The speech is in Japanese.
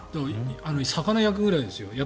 魚を焼くぐらいですよ。